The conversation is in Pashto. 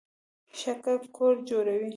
شګه کور جوړوي.